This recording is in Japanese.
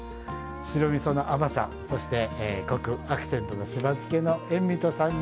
白みその甘さそしてコクアクセントのしば漬けの塩味と酸味。